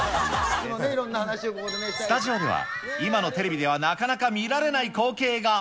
スタジオでは、今のテレビではなかなか見られない光景が。